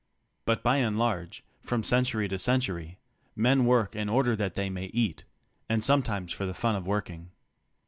But by and large, from century to century, men work in order that they may eat — (and sometimes for the fun of working).